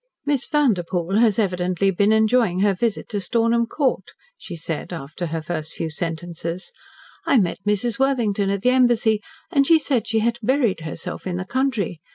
"Miss Vanderpoel has evidently been enjoying her visit to Stornham Court," she said, after her first few sentences. "I met Mrs. Worthington at the Embassy, and she said she had buried herself in the country.